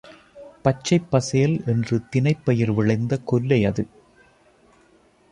பச்சைப் பசேல் என்று தினைப் பயிர் விளைந்த கொல்லை அது.